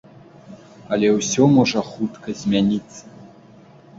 Але ўсё можа хутка змяніцца.